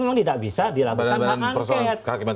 memang tidak bisa dilakukan dengan angkrot